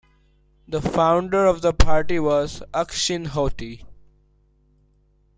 The founder of the party was Ukshin Hoti.